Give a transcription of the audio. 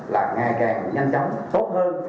là ngày càng nhanh chóng tốt hơn